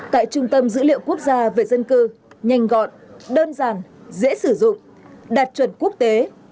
tại trung tâm dữ liệu quốc gia về dân cư nhanh gọn đơn giản dễ sử dụng đạt chuẩn quốc tế